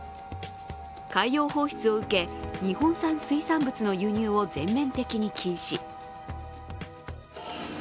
海洋放出を受け、日本産水産物の輸入を全面的に禁止。